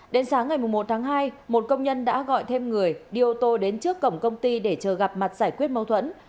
đến sáng ngày một tháng hai một công nhân đã gọi thêm người đi ô tô đến trước cổng công ty để chờ gặp mặt giải quyết mâu thuẫn